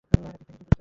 এটা থেকে কী বুঝলে?